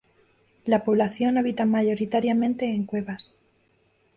La población habita mayoritariamente en cuevas.